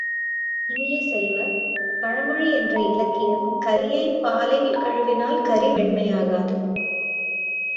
இனிய செல்வ, பழமொழி என்ற இலக்கியம் கரியைப் பாலில் கழுவினால் கரி வெண்மையாகாது.